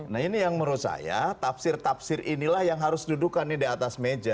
nah ini yang menurut saya tafsir tafsir inilah yang harus dudukan nih di atas meja